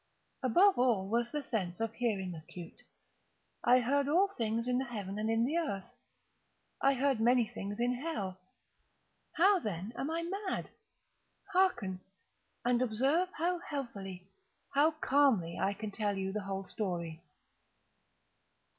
Above all was the sense of hearing acute. I heard all things in the heaven and in the earth. I heard many things in hell. How, then, am I mad? Hearken! and observe how healthily—how calmly I can tell you the whole story.